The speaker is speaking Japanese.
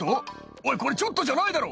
「おいこれちょっとじゃないだろ」